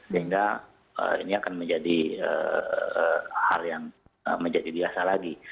sehingga ini akan menjadi hal yang menjadi biasa lagi